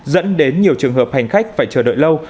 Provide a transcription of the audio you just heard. dẫn đến nhiều trường hợp hành khách phải chờ đợi lâu